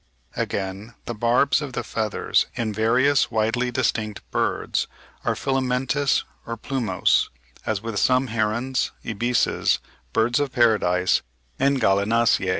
W. Wood).] Again, the barbs of the feathers in various widely distinct birds are filamentous or plumose, as with some herons, ibises, birds of paradise, and Gallinaceae.